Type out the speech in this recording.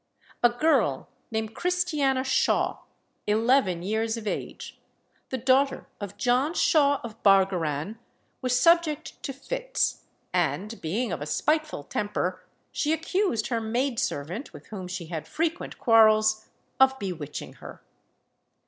A girl named Christiana Shaw, eleven years of age, the daughter of John Shaw of Bargarran, was subject to fits; and being of a spiteful temper, she accused her maid servant, with whom she had frequent quarrels, of bewitching her.